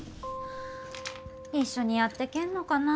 一緒にやってけんのかな。